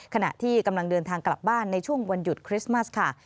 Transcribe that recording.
ขณะที่กำลังเดินทางกลับบ้านในช่วงวันหยุดคริสต์มัสค่ะ